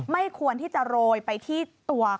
ไม่ควรที่จะโรยไปที่ตัว